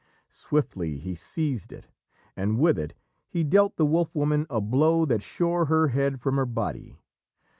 Swiftly he seized it, and with it he dealt the Wolf Woman a blow that shore her head from her body.